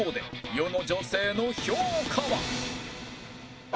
世の女性の評価は？